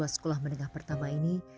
sekolah menengah pertama ini